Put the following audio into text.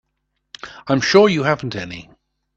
I'm sure you haven't any.